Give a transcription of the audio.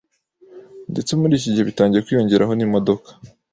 ndetse muri iki gihe bitangiye kwiyongeraho n’imodoka